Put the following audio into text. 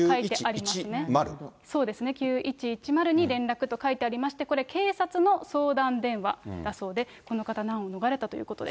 そうですね、９１１０に連絡と書いてありまして、これ、警察の相談電話だそうで、この方、難を逃れたということです。